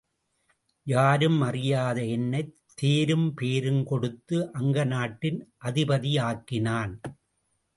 யாரும் அறியாத என்னைத் தேரும் பேரும் கொடுத்து அங்க நாட்டின் அதிபதி ஆக்கினான்.